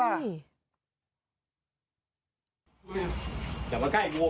สวัสดีครเสมอ